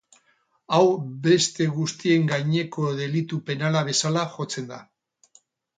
Hau beste guztien gaineko delitu penala bezala jotzen da.